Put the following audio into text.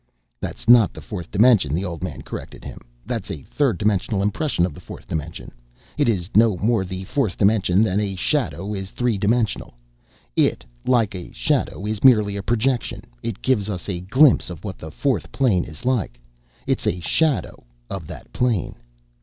"That's not the fourth dimension," the old man corrected him. "That's a third dimensional impression of the fourth dimension. It is no more the fourth dimension than a shadow is three dimensional. It, like a shadow, is merely a projection. It gives us a glimpse of what the fourth plane is like. It is a shadow of that plane."